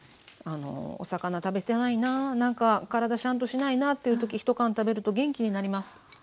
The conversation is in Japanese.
あのお魚食べてないな何か体しゃんとしないなという時１缶食べると元気になります。